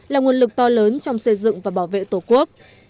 là nguồn lực to lớn trong xây dựng và bảo vệ tổ quốc